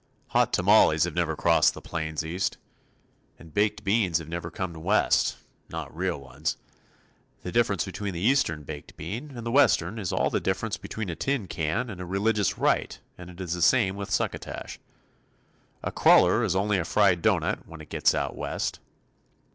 Hot tamales have never crossed the plains East. And baked beans have never come West not real ones. The difference between the Eastern baked bean and the Western is all the difference between a tin can and a religious rite and it is the same with succotash. A cruller is only a fried doughnut when it gets out West.